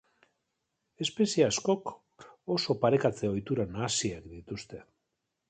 Espezie askok oso parekatze-ohitura nahasiak dituzte.